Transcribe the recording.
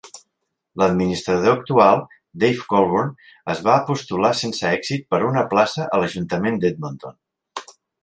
L'administrador actual Dave Colburn es va postular sense èxit per a una plaça a l'Ajuntament d'Edmonton.